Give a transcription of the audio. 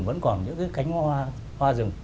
vẫn còn những cái cánh hoa rừng